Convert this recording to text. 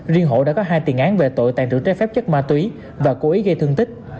riêng hữu đã có hai tiền án về tội tàn trữ trái phép chất ma túy và cố ý gây thương tích